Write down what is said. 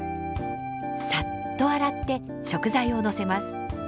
さっと洗って食材を乗せます。